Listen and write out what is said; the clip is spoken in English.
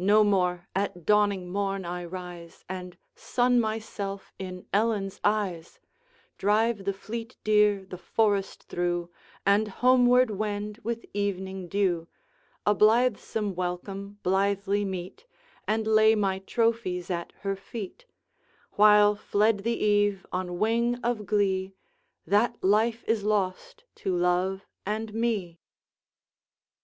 No more at dawning morn I rise, And sun myself in Ellen's eyes, Drive the fleet deer the forest through, And homeward wend with evening dew; A blithesome welcome blithely meet, And lay my trophies at her feet, While fled the eve on wing of glee, That life is lost to love and me!'